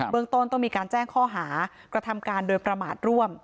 เมืองต้นต้องมีการแจ้งข้อหากระทำการโดยประมาทร่วม